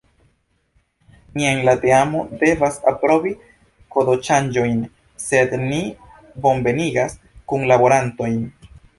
Ni en la teamo devas aprobi kodoŝanĝojn, sed ni bonvenigas kunlaborantojn!